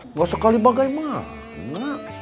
nggak sekali bagai mana